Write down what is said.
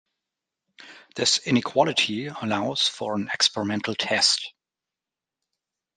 This inequality allows for an experimental test.